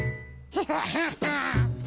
ヘハハハ。